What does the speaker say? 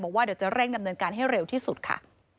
บอกว่าเดี๋ยวจะเร่งดำเนินการให้เร็วที่สุดค่ะ